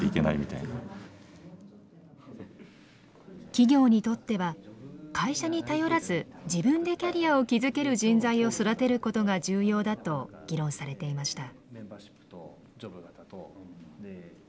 企業にとっては会社に頼らず自分でキャリアを築ける人材を育てることが重要だと議論されていました。